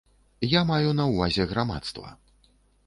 Я маю на ўвазе грамадства.